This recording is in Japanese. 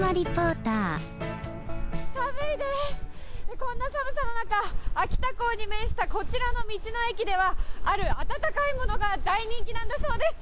こんな寒さの中、秋田港に面したこちらの道の駅では、ある温かいものが大人気なんだそうです。